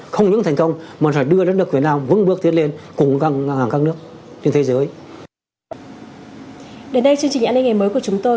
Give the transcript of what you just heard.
không những thành công mà sẽ đưa đất nước việt nam vững bước tiến lên cùng các nước trên thế giới